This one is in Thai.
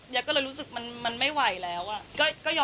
ยักษ์ก็เลย